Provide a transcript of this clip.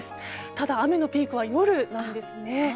ただ、雨のピークは夜なんですね。